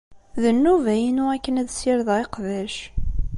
D nnuba-inu akken ad ssirdeɣ iqbac.